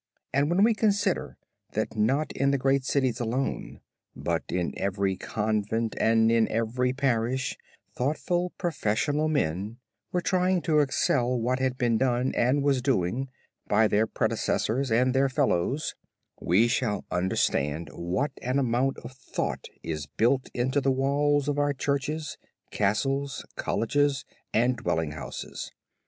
And when we consider that not in the great cities alone, but in every convent and in every parish, thoughtful professional men were trying to excel what had been done and was doing, by their predecessors and their fellows, we shall understand what an amount of thought is built into the walls of our churches, castles, colleges, and dwelling houses.